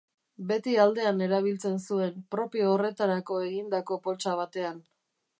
Beti aldean erabiltzen zuen, propio horretarako egindako poltsa batean.